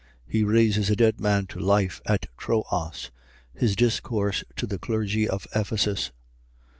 He raises a dead man to life at Troas. His discourse to the clergy of Ephesus.